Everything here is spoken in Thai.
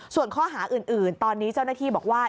ส่วนข้อหาอื่นตอนนี้เจ้าหน้าที่บอกว่า